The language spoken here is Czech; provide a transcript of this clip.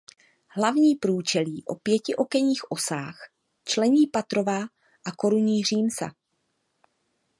Hlavní průčelí o pěti okenních osách člení patrová a korunní římsa.